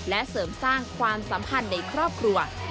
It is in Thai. และเสริมสร้างความสัมพันธ์ในครอบครัว